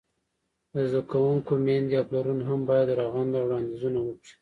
د زده کوونکو میندې او پلرونه هم باید رغنده وړاندیزونه وکړي.